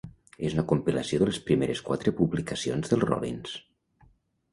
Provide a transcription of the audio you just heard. És una compilació de les primeres quatre publicacions dels Rollins.